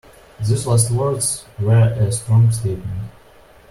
Those last words were a strong statement.